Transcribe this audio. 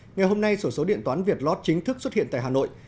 ngày hôm nay sổ số điện toán việt lot chính thức xuất hiện tại hà nội